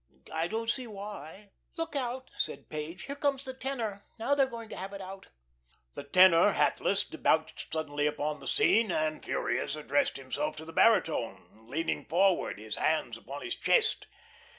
I don't see why." "Look now," said Page, "here comes the tenor. Now they're going to have it out." The tenor, hatless, debouched suddenly upon the scene, and furious, addressed himself to the baritone, leaning forward, his hands upon his chest.